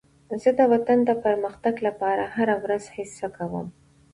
زه د وطن د پرمختګ لپاره هره ورځ هڅه کوم.